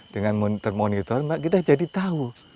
dengan monitor monitor kita jadi tahu